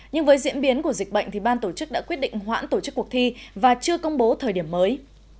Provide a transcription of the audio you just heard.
nhưng với diễn biến của dịch bệnh ban tổ chức đã quyết định hoãn tổ chức cuộc thi và chưa công bố thời điểm mới